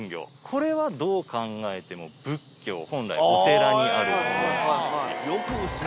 これはどう考えても仏教本来お寺にあるものなんです。